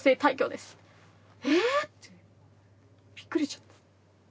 「え⁉」ってびっくりしちゃった。